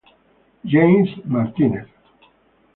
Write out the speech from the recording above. James Martinez